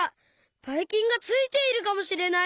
バイキンがついているかもしれない！